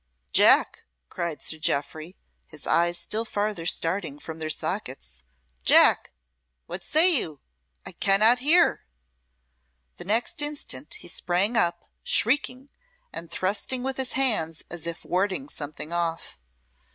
"Jack," cried Sir Jeoffry, his eyes still farther starting from their sockets. "Jack! what say you? I cannot hear." The next instant he sprang up, shrieking, and thrusting with his hands as if warding something off.